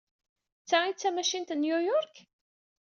D ta ay d tamacint n New York?